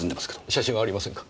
写真はありませんか？